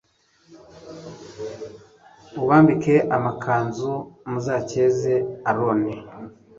ubambike amakanzu m uzakenyeze aroni